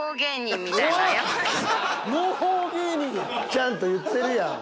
ちゃんと言ってるやん。